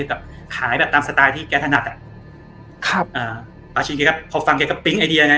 ก็แบบขายแบบตามสไตล์ที่แกถนัดอะครับพอฟังแกก็ปริ๊งไอเดียไง